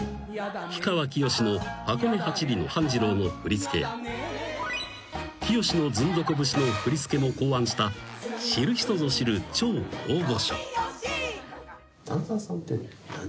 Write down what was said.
氷川きよしの『箱根八里の半次郎』の振り付けや『きよしのズンドコ節』の振り付けも考案した知る人ぞ知る超大御所］